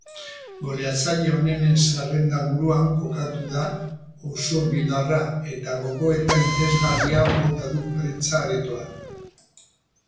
Goleatzaile onenen zerrenda-buruan kokatu da usurbildarra eta gogoeta interesgarria bota du prentsa aretoan.